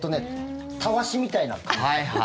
たわしみたいな感じ。